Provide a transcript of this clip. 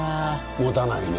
持たないね。